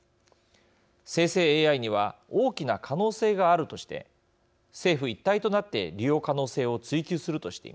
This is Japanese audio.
生成ＡＩには大きな可能性があるとして政府一体となって利用可能性を追求するとしています。